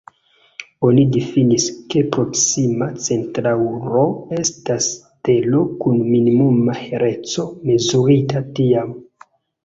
Oni difinis, ke Proksima Centaŭro estas stelo kun minimuma heleco mezurita tiam.